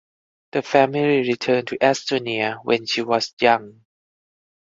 The family returned to Estonia when she was young.